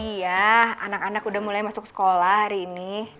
iya anak anak udah mulai masuk sekolah hari ini